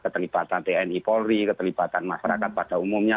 keterlibatan tni polri keterlibatan masyarakat pada umumnya